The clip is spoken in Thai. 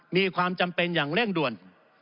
มีความจำเป็นอย่างเร่งด่วน